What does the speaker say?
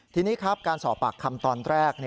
ทีนี้ครับการสอบปากคำตอนแรก